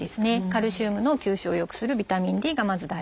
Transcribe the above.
カルシウムの吸収を良くするビタミンＤがまず大事。